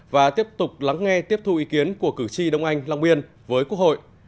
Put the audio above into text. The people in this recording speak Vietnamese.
và tiếp tục lắng nghe tiếp thu ý kiến của cử tri đông anh long biên với quốc hội